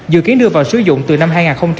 dự kiến đưa vào sử dụng từ năm hai nghìn hai mươi